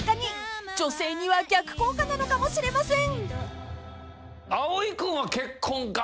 ［女性には逆効果なのかもしれません］